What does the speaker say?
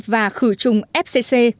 và khử trùng fcc